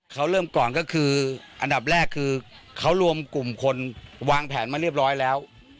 เขาเริ่มก่อนก็คืออันดับแรกคือเขารวมกลุ่มคนวางแผนมาเรียบร้อยแล้ว